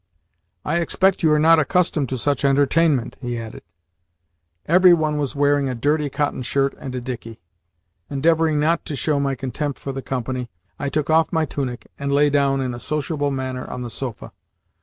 "I expect you are not accustomed to such entertainment," he added. Every one was wearing a dirty cotton shirt and a dickey. Endeavouring not to show my contempt for the company, I took off my tunic, and lay down in a sociable manner on the sofa.